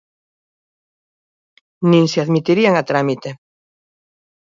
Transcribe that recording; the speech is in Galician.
¡Nin se admitirían a trámite!